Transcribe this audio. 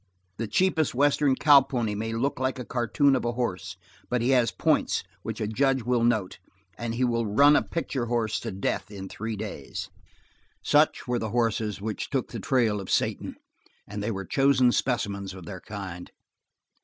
The cheapest Western cow pony may look like the cartoon of a horse, but he has points which a judge will note, and he will run a picture horse to death in three days. Such were the horses which took the trail of Satan and they were chosen specimens of their kind.